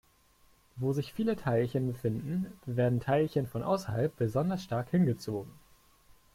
Wo sich viele Teilchen befinden, werden Teilchen von außerhalb besonders stark hingezogen.